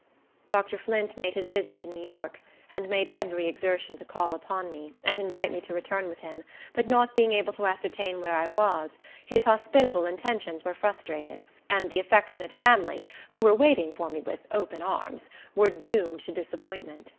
Dr. Flint made his visit to New York, and made every exertion to call upon me, and invite me to return with him, but not being able to ascertain where I was, his hospitable intentions were frustrated, and the affectionate family, who were waiting for me with "open arms," were doomed to disappointment.